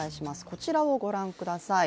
こちらをご覧ください。